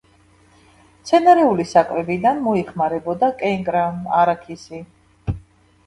მცენარეული საკვებიდან მოიხმარებოდა კენკრა, არაქისი.